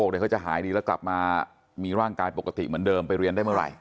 เดี๋ยวเขาจะหายดีแล้วกลับมามีร่างกายปกติเหมือนเดิมไปเรียนได้เมื่อไหร่